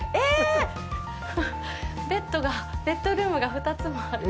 ベッドが、ベッドルームが２つもある。